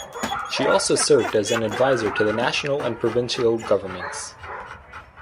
She also served as an advisor to the national and provincial governments.